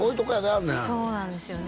あの辺そうなんですよね